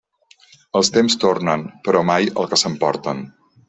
Els temps tornen, però mai el que s'emporten.